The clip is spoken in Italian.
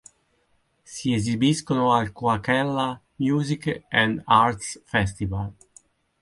Si esibiscono al Coachella Music and Arts Festival.